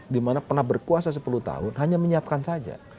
dimana pernah berkuasa sepuluh tahun hanya menyiapkan saja